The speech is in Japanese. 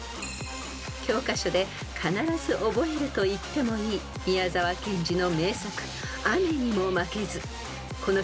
［教科書で必ず覚えるといってもいい宮沢賢治の名作］